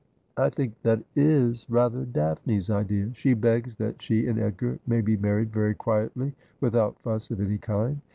' I think that is rather Daphne's idea. She begs that she and Edgar may be married very quietly, without fuss of any kind.'